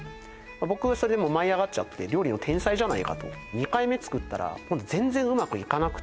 僕それでもう舞い上がっちゃって料理の天才じゃないかとでもあれね